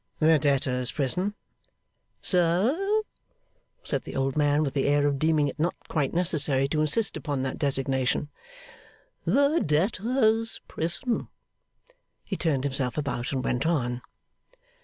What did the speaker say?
'The debtors' prison?' 'Sir,' said the old man, with the air of deeming it not quite necessary to insist upon that designation, 'the debtors' prison.' He turned himself about, and went on.